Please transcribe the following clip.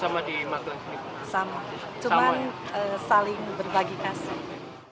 sama cuma saling berbagi kasih